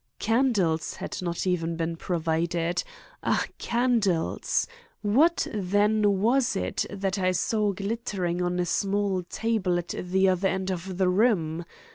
Candles had not even been provided—ah, candles! What, then, was it that I saw glittering on a small table at the other end of the room?